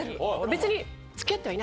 別に。